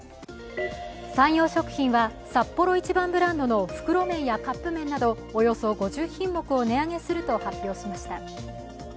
サンヨー食品はサッポロ一番ブランドの袋麺やカップ麺などおよそ５０品目を値上げすると発表しました。